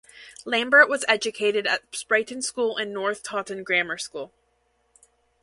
Lambert was educated at Spreyton School and North Tawton Grammar School.